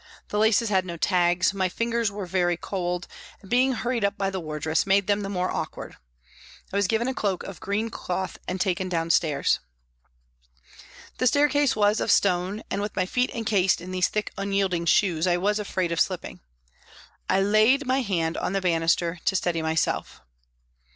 The laces had no tags, my fingers were very cold, and being hurried up by the wardress made them the more awkward. I was given a cloak of THE HOSPITAL 97 green, cloth and taken downstairs. The staircase was of stone and, with my feet encased in these thick unyielding shoes, I was afraid of slipping. I laid my hand on the banister to steady myself.